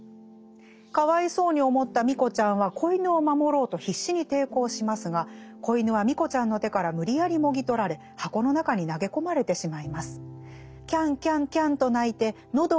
かわいそうに思ったミコちゃんは仔犬を守ろうと必死に抵抗しますが仔犬はミコちゃんの手から無理やりもぎ取られ箱の中に投げ込まれてしまいます」。